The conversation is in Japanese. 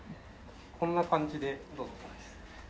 こんな感じでどうぞ。